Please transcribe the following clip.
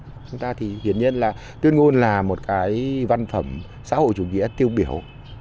chúng ta thì hiện nhiên là tuyên ngôn là một cái văn phẩm xã hội chủ nghĩa tiêu biểu